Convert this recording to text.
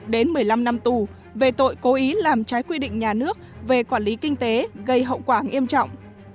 đến một mươi năm năm tù về tội cố ý làm trái quy định nhà nước về quản lý kinh tế gây hậu quả nghiêm trọng